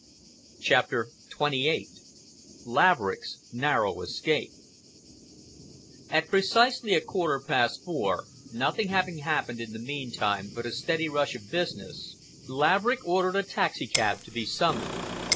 CHAPTER XXVIII LAVERICK'S NARROW ESCAPE At precisely a quarter past four, nothing having happened in the meantime but a steady rush of business, Laverick ordered a taxicab to be summoned.